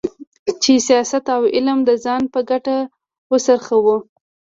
چې سیاست او علم د ځان په ګټه وڅرخوو.